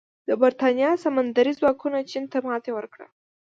د برېټانیا سمندري ځواکونو چین ته ماتې ورکړه.